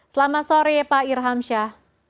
selamat sore pak irham syah